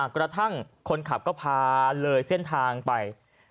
กระทั่งคนขับก็พาเลยเส้นทางไป